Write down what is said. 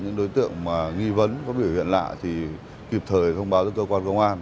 những đối tượng nghi vấn có biểu hiện lạ thì kịp thời thông báo cho cơ quan công an